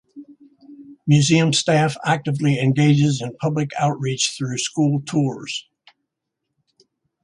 Museum staff actively engages in public outreach through school tours.